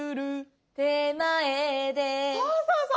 そうそうそう。